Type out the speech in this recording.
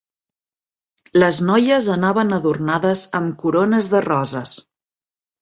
Les noies anaven adornades amb corones de roses.